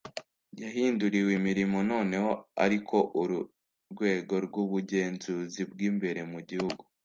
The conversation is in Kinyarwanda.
Yahinduriwe imirimo noneho ark u urwego rw’ubugenzuzi bw imbere mu gihugu